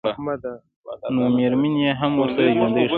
نومېرمن یې هم ورسره ژوندۍ ښخوله.